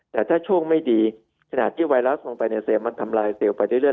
แต่ถ้าโชคไม่ดีขณะที่ไวรัสลงไปในเซลล์มันทำรายเซลล์ไปเรื่อยเรื่อย